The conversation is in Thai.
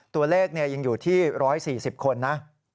ตัวเลขยังอยู่ที่๑๔๐คนนะ